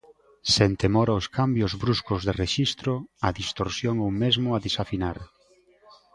Sen temor aos cambios bruscos de rexistro, á distorsión ou mesmo a desafinar.